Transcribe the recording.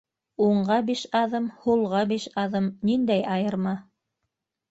Уңға биш аҙым, һулға биш аҙым - ниндәй айырма?